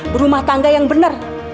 berumah tangga yang bener